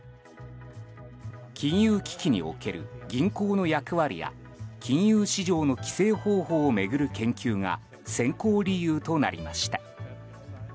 金融危機における銀行の役割や金融市場の規制方法を巡る研究が選考理由となりました。